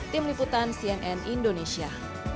tim liputan cnn indonesia